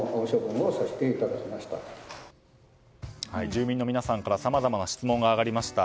住民の皆様からさまざまな質問が挙がりました。